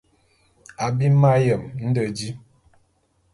Abim m'ayem nde di.